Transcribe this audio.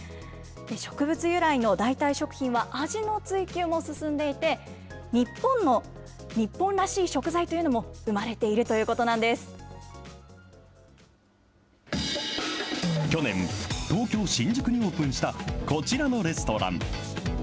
植物由来の代替食品は、味の追求も進んでいて、日本の、日本らしい食材というのも生まれているということなんで去年、東京・新宿にオープンしたこちらのレストラン。